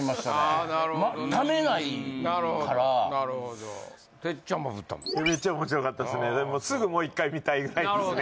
なるほどなるほどなるほどためないからてっちゃんもぶったまメッチャ面白かったですねすぐもう一回見たいぐらいですね